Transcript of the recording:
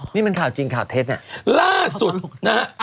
นี่มันข่าวจริงข่าวเท็จเนี่ยล่าสุดนะฮะ